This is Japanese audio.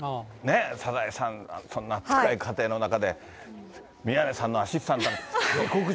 サザエさん、そんな明るい家庭の中で、宮根さんのアシスタントに、下剋上。